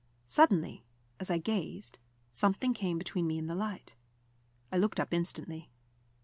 Suddenly, as I gazed, something came between me and the light. I looked up instantly.